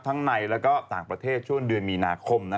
ทั้งในแล้วก็ต่างประเทศช่วงเดือนมีนาคมนะ